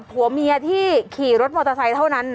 ผัวเมียที่ขี่รถมอเตอร์ไซค์เท่านั้นนะ